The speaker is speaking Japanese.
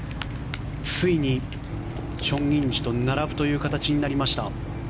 ついにチョン・インジと並ぶという形になりました。